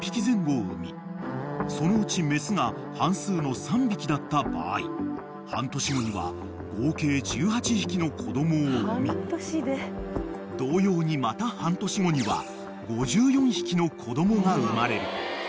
そのうち雌が半数の３匹だった場合半年後には合計１８匹の子供を産み同様にまた半年後には５４匹の子供が生まれる］